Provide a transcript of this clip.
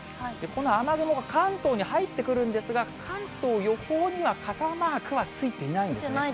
この雨雲が関東に入ってくるんですが、関東、予報には傘マークはついていないんですね。